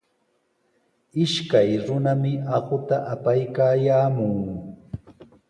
Ishkay runami aquta apaykaayaamun.